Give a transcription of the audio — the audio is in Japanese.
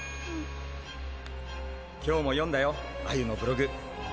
「今日も読んだよアユのブログ。